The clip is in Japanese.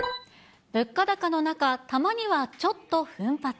物価高の中、たまにはちょっと奮発。